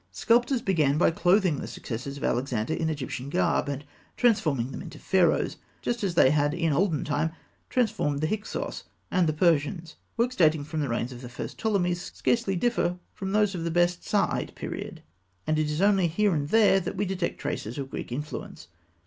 Sculptors began by clothing the successors of Alexander in Egyptian garb and transforming them into Pharaohs, just as they had in olden time transformed the Hyksos and the Persians. Works dating from the reigns of the first Ptolemies scarcely differ from those of the best Saïte period, and it is only here and there that we detect traces of Greek influence.